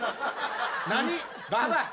何ババア！